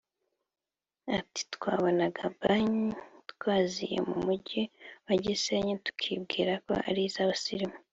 Ati “Twabonaga banki twaviye mu mujyi wa Gisenyi tukibwira ko ari iz’abasirimu